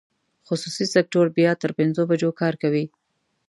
خصوصي سکټور بیا تر پنځو بجو کار کوي.